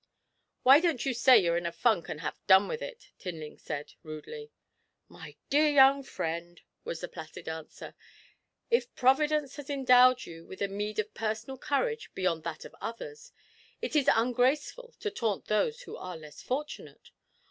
'Why don't you say you're a funk, and have done with it?' Tinling said rudely. 'My dear young friend,' was the placid answer, 'if Providence has endowed you with a meed of personal courage beyond that of others, it is ungraceful to taunt those who are less fortunate.